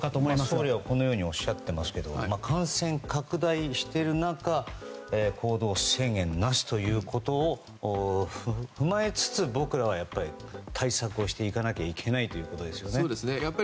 総理はこのようにおっしゃっていますが感染が拡大している中行動制限なしということを踏まえつつ僕らは対策をしていかなきゃいけないということですよね。